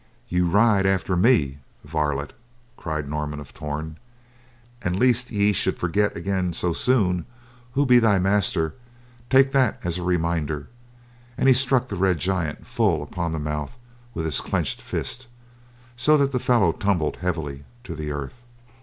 "Ye ride after ME, varlet," cried Norman of Torn, "an' lest ye should forget again so soon who be thy master, take that, as a reminder," and he struck the red giant full upon the mouth with his clenched fist—so that the fellow tumbled heavily to the earth.